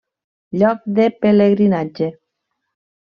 Lloc de pelegrinatge.